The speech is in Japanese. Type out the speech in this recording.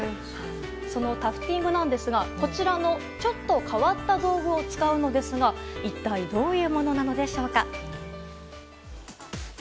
そのタフティングなんですがこちらのちょっと変わった道具を使うのですが一体どういうものなのでしょうか。